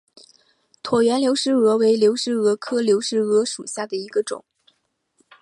椭圆流石蛾为流石蛾科流石蛾属下的一个种。